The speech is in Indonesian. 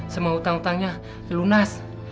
semua hutang hutangnya dilunas